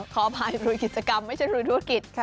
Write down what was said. ขออภัยลุยกิจกรรมไม่ใช่ลุยธุรกิจ